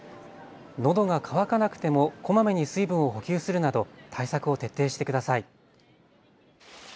のどが渇かなくてもこまめに水分を補給するなど対策を徹底してください。